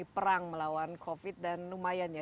perang melawan covid dan lumayan ya